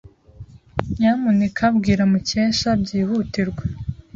Nyamuneka bwira Mukesha byihutirwa.